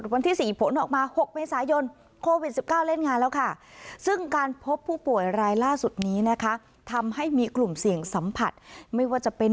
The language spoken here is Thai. ๒วันผ่านไป๔๘ชั่วโมงตรวจวันที่๔ผลออกมา๖เมษายน